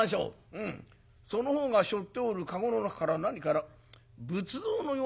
「うんその方がしょっておる籠の中から何かな仏像のようなものが見えるな。